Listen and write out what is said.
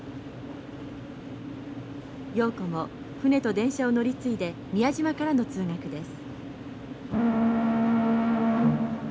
瑤子も船と電車を乗り継いで宮島からの通学です。